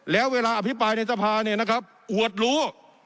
แล้วเวลาอภิปรัยในสภาโหวดหลู